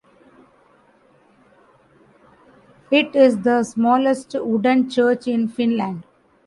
It is the smallest wooden church in Finland.